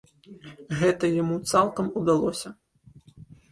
Гэта яму цалкам удалося.